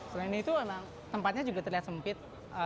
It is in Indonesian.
selain itu tempatnya juga terlihat sempit